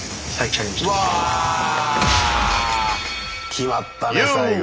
決まったね最後。